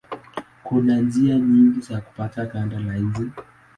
Kuna njia nyingi za kupata ganda la nje.